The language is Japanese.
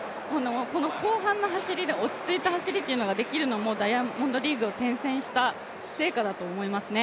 後半の走りで落ち着いた走りができるのもダイヤモンドリーグを転戦した成果だと思いますね。